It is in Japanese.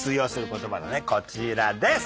こちらです。